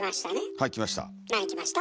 はいきました。